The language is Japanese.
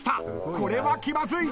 これは気まずい。